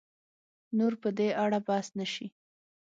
نور په دې اړه بحث نه شي